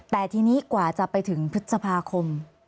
แต่ทีนี้กว่าจะไปถึงพฤษภาคม